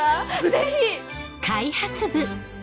ぜひ！